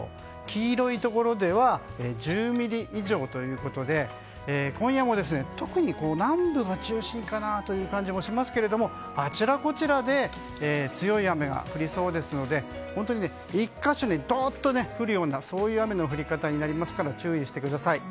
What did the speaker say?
黄色いところでは１０ミリ以上ということで今夜も特に南部が中心かなという感じもしますけれどもあちらこちらで強い雨が降りそうですので１か所にどんと降るような雨の降り方になりますから注意してください。